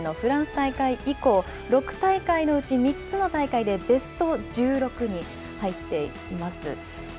初めて出場した１９９８年のフランス大会以降、６大会のうち、３つの大会でベスト１６に入っています。